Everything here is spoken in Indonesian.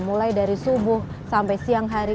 mulai dari subuh sampai siang hari